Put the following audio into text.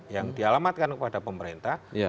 yang dialamatkan kepada pemerintah